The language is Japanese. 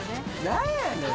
何やねん？